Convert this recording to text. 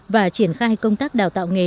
và triển khai công tác đào tạo nghề